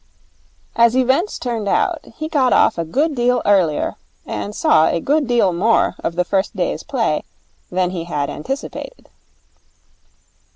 As events turned out, he got off a good deal earlier, and saw a good deal more of the first day's play than he had anticipated.